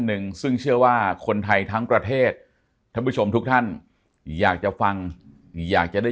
หนึ่งซึ่งเชื่อว่าคนไทยทั้งประเทศท่านผู้ชมทุกท่านอยากจะฟังอยากจะได้